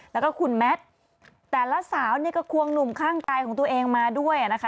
แล้วก็คุณแมทแต่ละสาวเนี่ยก็ควงหนุ่มข้างกายของตัวเองมาด้วยนะคะ